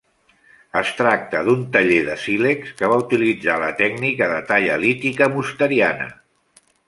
Es tracta d'un taller de sílex que va utilitzar la tècnica de talla lítica mosteriana.